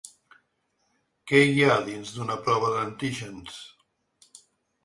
Què hi ha dins d’una prova d’antígens?